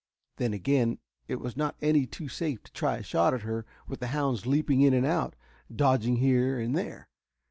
Then, again, it was not any too safe to try a shot at her with the hounds leaping in and out, dodging here and there.